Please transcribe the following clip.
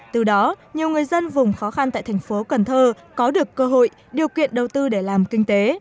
từ đó nhiều người dân vùng khó khăn tại tp cn có được cơ hội điều kiện đầu tư để làm kinh tế